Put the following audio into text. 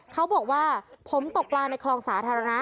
เขาบอกว่าผมตกปลาในคลองสาธารณะ